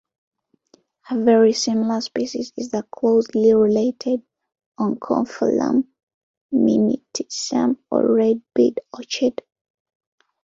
A very similar species is the closely related "Oncophyllum minutissimum" or Red Bead Orchid.